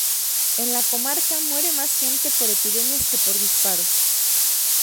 En la comarca, muere más gente por epidemias que por disparos.